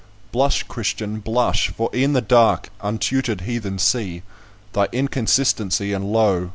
"Blush, Christian, blush! for e'en the dark, Untutored heathen see Thy inconsistency; and, lo!